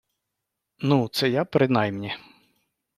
Ну, це я принаймні